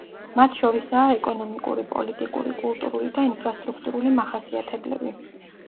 მათ შორისაა ეკონომიკური, პოლიტიკური, კულტურული და ინფრასტრუქტურული მახასიათებლები.